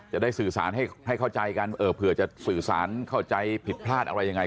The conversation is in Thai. จะได้สื่อสารให้เข้าใจกันเผื่อจะสื่อสารเข้าใจผิดพลาดอะไรยังไง